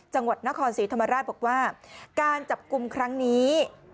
จังหวัดนครศรีธรรมราชบอกว่าการจับกลุ่มครั้งนี้